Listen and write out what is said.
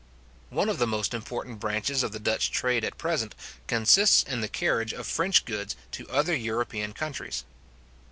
One of the most important branches of the Dutch trade at present, consists in the carriage of French goods to other European countries.